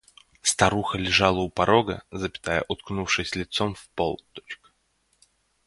Старуха лежала у порога, уткнувшись лицом в пол.